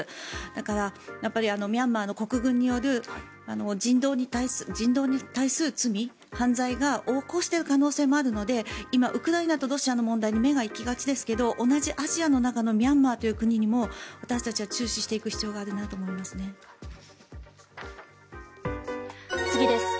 だから、ミャンマーの国軍による人道に対する罪、犯罪が横行している可能性があるので今、ウクライナとロシアの問題に目が行きがちですけど同じアジアの中のミャンマーという国にも私たちは注視していく必要があるなと思いますね。